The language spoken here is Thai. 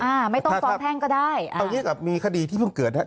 เอาอย่างนี้กับมีคดีที่เพิ่งเกิดนะครับ